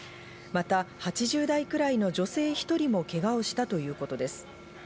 また８０代くらいの女性１人もけがをしたということです。